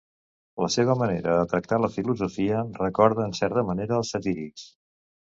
La seva manera de tractar la filosofia recorda en certa manera els satírics.